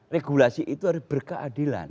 regulasi itu harus berkeadilan